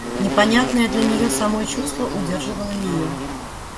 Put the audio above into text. Непонятное для нее самой чувство удерживало ее.